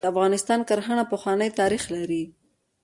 د افغانستان کرهڼه پخوانی تاریخ لري .